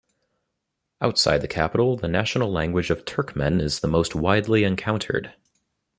Outside the capital, the national language of Turkmen is the most widely encountered.